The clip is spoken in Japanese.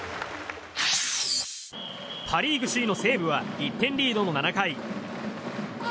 パ・リーグ首位の西武は１点リードの７回。